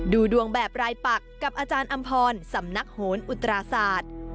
ดูดวงแบบรายปักกับอาจารย์อำพรสำนักโหนอุตราศาสตร์